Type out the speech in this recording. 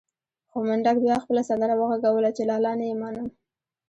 خو منډک بيا خپله سندره وغږوله چې لالا نه يې منم.